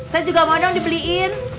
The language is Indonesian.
saya juga mau dong dibeliin